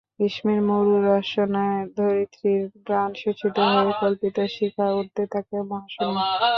গ্রীষ্মের মরু রসনায় ধরিত্রীর প্রাণ শোষিত হয়ে কল্পিত শিখা উঠতে থাকে মহাশুণ্যে।